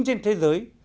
trên thế giới